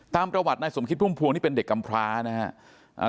ตามประวัตินายสมคิดพุ่มพวงนี่เป็นเด็กกำพร้านะครับ